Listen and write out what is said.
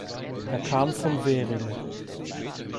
Er kam von Währing.